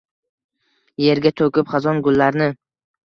Yerga toʻkib xazon, gullarni.